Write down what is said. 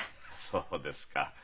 そうですか。